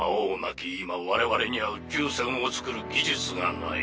今我々には宇宙船を造る技術がない。